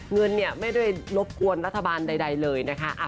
เงินเนี่ยไม่ได้รบกวนรัฐบาลใดเลยนะคะ